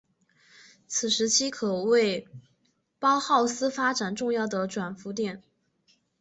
此时期可谓包浩斯发展重要的转捩点。